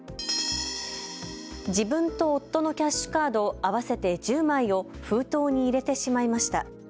自分と夫のキャッシュカード合わせて１０枚を封筒に入れてしまいました。